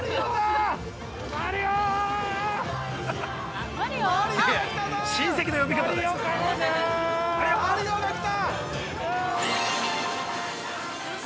◆マリオが来たぞ！